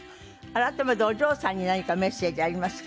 改めてお嬢さんに何かメッセージはありますか？